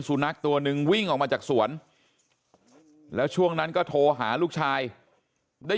สุนัขตัวนึงวิ่งออกมาจากสวนแล้วช่วงนั้นก็โทรหาลูกชายได้